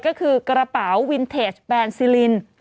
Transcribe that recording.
ก็คือกระเป๋าวินเทจแบนซิลิน